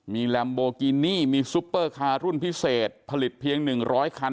มีลัมโบกินี่มีซุปเปอร์คารุ่นพิเศษผลิตเพียงหนึ่งร้อยคัน